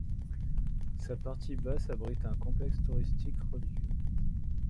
Sa partie basse abrite un complexe touristique religieux.